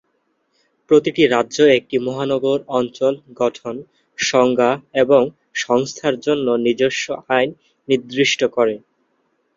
প্রতিটি রাজ্য একটি মহানগর অঞ্চল গঠন, সংজ্ঞা এবং সংস্থার জন্য নিজস্ব আইন নির্দিষ্ট করে।